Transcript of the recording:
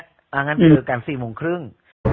อ่างั้นคือการสี่โมงครึ่ง